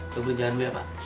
sobri jangan biar pak